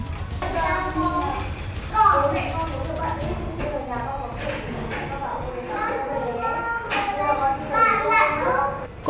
dạ lạc đi là con mẹ con